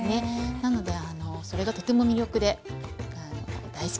なのでそれがとても魅力で大好きな国です。